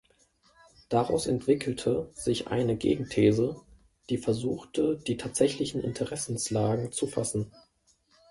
Daraus entwickelte sich eine Gegenthese, die versuchte, die tatsächlichen Interessenlagen zu fassen.